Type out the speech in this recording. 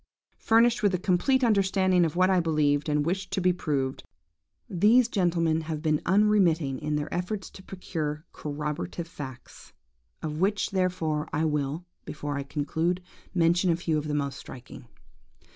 Furnished with a complete understanding of what I believed and wished to be proved, these gentlemen have been unremitting in their efforts to procure corroborative facts; of which, therefore, I will, before I conclude, mention a few of the most striking.